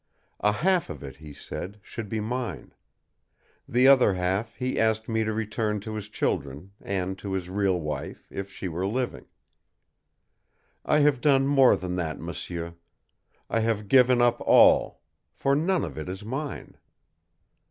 A half of it, he said, should be mine. The other half he asked me to return to his children, and to his real wife, if she were living. I have done more than that, m'sieur. I have given up all for none of it is mine.